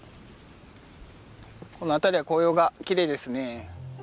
この辺りは紅葉がきれいですね。